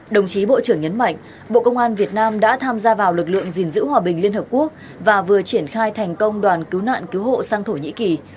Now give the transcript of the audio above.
đồng chí bộ trưởng nhấn mạnh bộ công an việt nam đã tham gia vào lực lượng gìn giữ hòa bình liên hợp quốc và vừa triển khai thành công đoàn cứu nạn cứu hộ sang thổ nhĩ kỳ